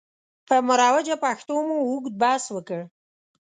پر مروجه پښتو مو اوږد بحث وکړ.